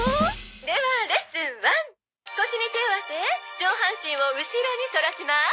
「ではレッスン１」「腰に手を当て上半身を後ろに反らします」